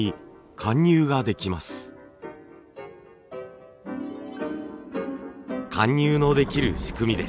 貫入のできる仕組みです。